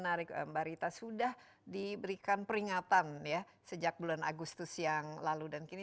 nanti beberapa waktu lagi bisa menguat lagi